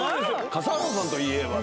笠原さんといえばですね